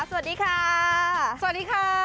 สวัสดีค่ะสวัสดีค่ะ